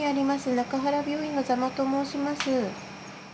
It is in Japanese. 中原病院の座間と申します。